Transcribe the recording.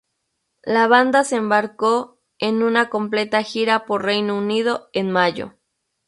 La banda se embarcó en una completa gira por Reino Unido en mayo.